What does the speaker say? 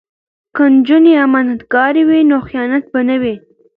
که نجونې امانتکارې وي نو خیانت به نه وي.